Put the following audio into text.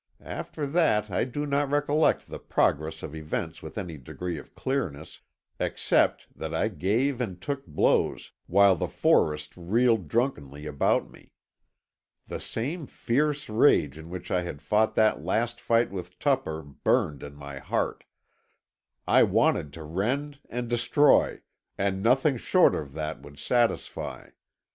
After that I do not recollect the progress of events with any degree of clearness, except that I gave and took blows while the forest reeled drunkenly about me. The same fierce rage in which I had fought that last fight with Tupper burned in my heart. I wanted to rend and destroy, and nothing short of that would satisfy.